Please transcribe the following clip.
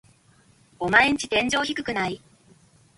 オマエんち天井低くない？